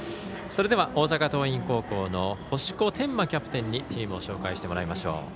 それでは大阪桐蔭高校の星子天真キャプテンにチームを紹介してもらいましょう。